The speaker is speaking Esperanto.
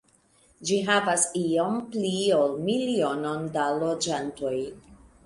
Ĝi havas iom pli ol milionon da loĝantoj.